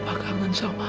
sita kagen sama bapak